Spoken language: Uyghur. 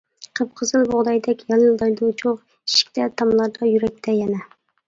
قىپقىزىل بۇغدايدەك يالىلدايدۇ چوغ، ئىشىكتە، تاملاردا، يۈرەكتە يەنە.